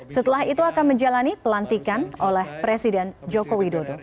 setelah itu akan menjalani pelantikan oleh presiden joko widodo